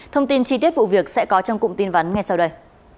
thông tin chi tiết vụ việc sẽ có trong cụm tin vắn ngay sau đây